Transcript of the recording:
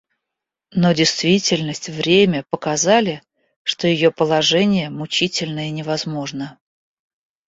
Но действительность, время показали, что ее положение мучительно и невозможно.